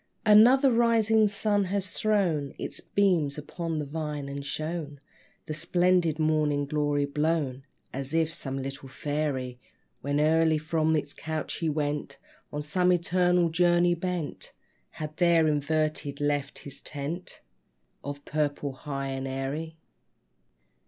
Another rising sun has thrown Its beams upon the vine, and shown The splendid Morning Glory blown, As if some little fairy, When early from his couch he went, On some ethereal journey bent, Had there inverted left his tent Of purple, high and airy.